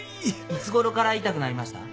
いつごろから痛くなりました？